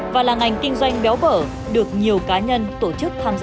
và là ngành kinh doanh béo bở được nhiều cá nhân tổ chức tham gia